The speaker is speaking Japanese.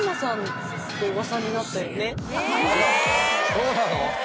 そうなの？